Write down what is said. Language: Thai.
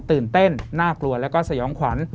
ตื่นเต้นน่ากลัวแล้วก็สยองขวัญ